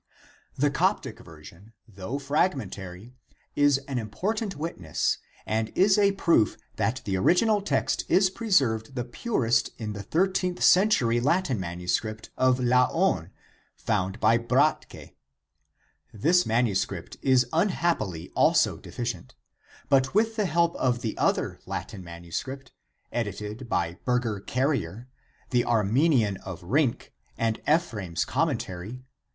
The Coptic version, though fragmentary, is an important witness and is a proof that the original text is preserved the purest in the 13th century Latin MS. of Laon found by E. Bratke. This IMS. is unhappily also deficient; but with the help of the other Latin MS. edited by Berger Carriere, the Armenian of Rink, and Ephrsem's commentary (ed.